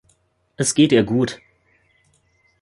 Es geht ihr gut.